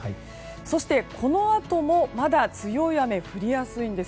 そして、このあともまだ強い雨が降りやすいんです。